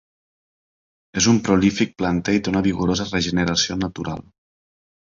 És un prolífic planter i té una vigorosa regeneració natural.